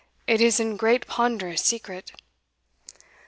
it is an great ponderous secret."